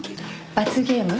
罰ゲーム？